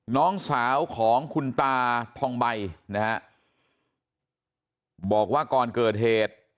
น้องสาวของคุณตาทองใบนะฮะบอกว่าก่อนเกิดเหตุ